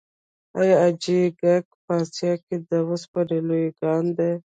آیا حاجي ګک په اسیا کې د وسپنې لوی کان دی؟